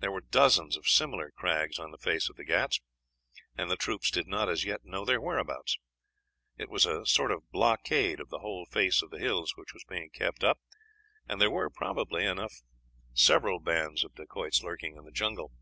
There were dozens of similar crags on the face of the Ghauts, and the troops did not as yet know their whereabouts. It was a sort of blockade of the whole face of the hills which was being kept up, and there were, probably enough, several other bands of Dacoits lurking in the jungle.